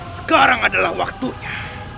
sekarang adalah waktunya